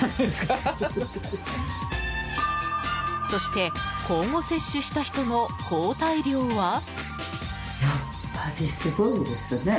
そして交互接種した人の抗体量は。